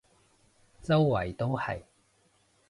周圍都係